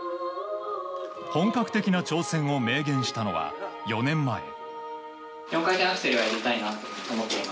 本格的な挑戦を明言したのは４年前。